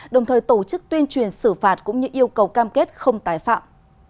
đồng thời tổ chức tuyên truyền xử phạt cũng như yêu cầu cam kết không tái phạm